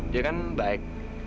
dia kan baik